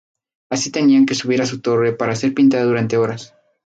Así tenía que subir a su torre para ser pintada durante horas.